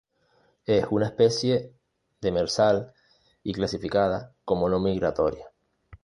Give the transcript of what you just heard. Es una especie demersal y clasificada como no migratoria.